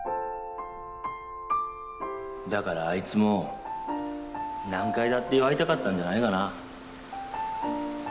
だからあいつも何回だって祝いたかったんじゃないかな。